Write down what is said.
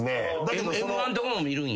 『Ｍ−１』とかも見るんや。